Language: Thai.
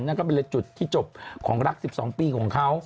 นั่นก็เป็นเลยจุดที่จบของรัก๑๒ปีของเขา